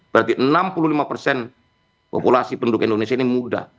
berarti enam puluh lima persen populasi penduduk indonesia ini mudah